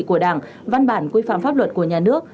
của đảng văn bản quy phạm pháp luật của nhà nước